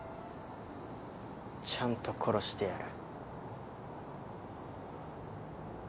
ちゃんと殺してやる。